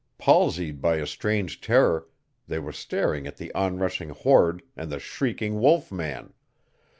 Palsied by a strange terror, they were staring at the onrushing horde and the shrieking wolf man.